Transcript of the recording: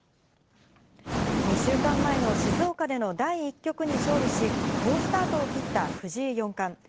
２週間前の静岡での第１局に勝利し、好スタートを切った藤井四冠。